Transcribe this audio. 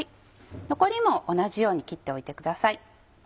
残りも同じように切っておいてください。